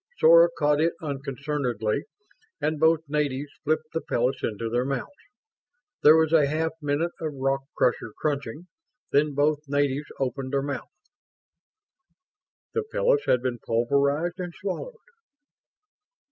Sora caught it unconcernedly and both natives flipped the pellets into their mouths. There was a half minute of rock crusher crunching; then both natives opened their mouths. The pellets had been pulverized and swallowed.